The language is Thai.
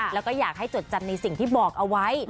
แล้วก็อยากให้จดจำในสิ่งที่บอกเอาไว้